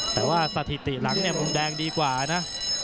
แต่ว่าสถิติหลังเนี่ยมุมแดงดีกว่านะ